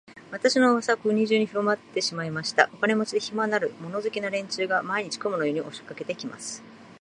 私の噂は国中にひろまってしまいました。お金持で、暇のある、物好きな連中が、毎日、雲のように押しかけて来ます。